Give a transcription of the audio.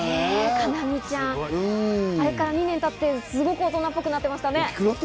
叶望ちゃん、あれから２年経って、すごく大人っぽくなってましたね。